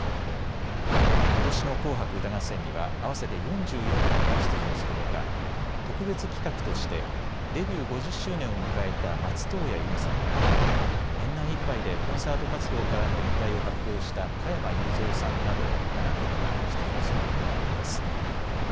ことしの紅白歌合戦には合わせて４４組が出場するほか、特別企画としてデビュー５０周年を迎えた松任谷由実さんや年内いっぱいでコンサート活動からの引退を発表した加山雄三さんなど７組が出場することになっています。